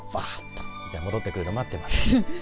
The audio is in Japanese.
戻ってくるの待ってますね。